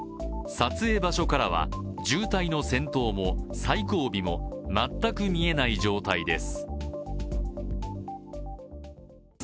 撮影場所からは渋滞の先頭も最後尾も全く見えない状態です。